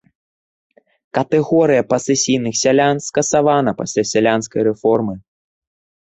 Катэгорыя пасэсійных сялян скасавана пасля сялянскай рэформы.